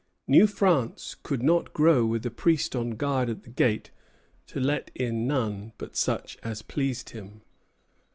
New France could not grow with a priest on guard at the gate to let in none but such as pleased him.